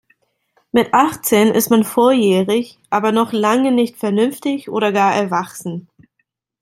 Mit achtzehn ist man volljährig aber noch lange nicht vernünftig oder gar erwachsen.